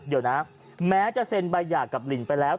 เดี๋ยวนะแม้จะเซ็นใบหย่ากับลินไปแล้ว